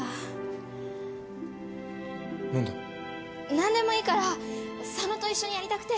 何でもいいから佐野と一緒にやりたくて。